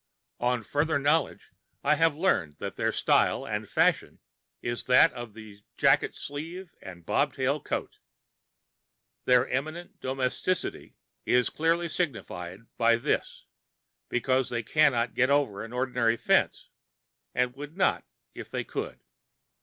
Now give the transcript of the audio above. On further knowledge I have learned that their style and fashion is that of the jacket sleeve and bobtail coat. Their eminent domesticity is clearly signified by this, because they cannot get over an ordinary fence, and would not[Pg 45] if they could.